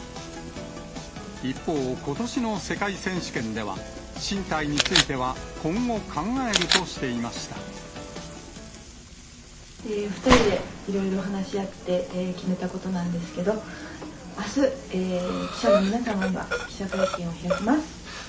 一方、ことしの世界選手権では、進退については、今後考えるとしていま２人でいろいろ話し合って、決めたことなんですけど、あす記者の皆様には記者会見を開きます。